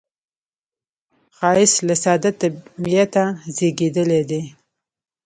ښایست له ساده طبعیته زیږېدلی دی